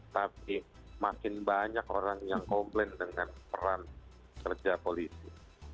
tapi makin banyak orang yang komplain dengan peran kerja polisi